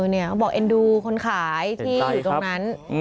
เนี่ยเขาบอกเอ็นดูคนขายที่อยู่ตรงนั้น